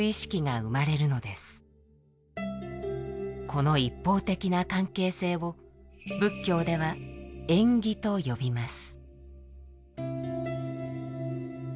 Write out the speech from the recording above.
この一方的な関係性を仏教では縁起と呼びます。